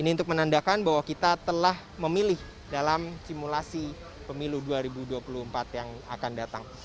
ini untuk menandakan bahwa kita telah memilih dalam simulasi pemilu dua ribu dua puluh empat yang akan datang